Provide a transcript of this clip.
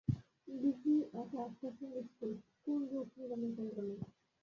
Lessee এটা একটা সংগীত স্কুল, কোন রোগ নিরাময় কেন্দ্র না।